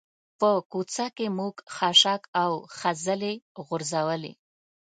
په کوڅه کې موږ خاشاک او خځلې غورځولي.